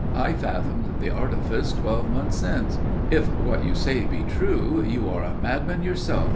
I fathomed the artifice twelve months since." "If what you say be true, you are a madman yourself!"